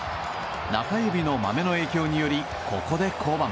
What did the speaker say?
中指のマメの影響によりここで降板。